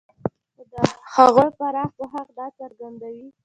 خو د هغو پراخ پوښښ دا څرګندوي.